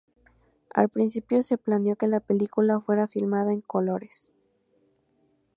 Al principio se planeó que la película fuera filmada en colores.